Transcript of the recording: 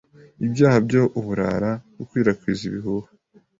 ibyaha byo uburara, gukwirakwiza ibihuha